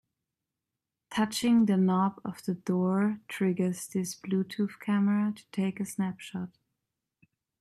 Touching the knob of the door triggers this Bluetooth camera to take a snapshot.